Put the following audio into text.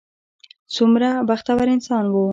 څومره بختور انسان و.